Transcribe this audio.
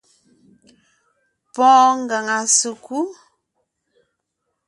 Pɔɔn ngaŋa sèkú .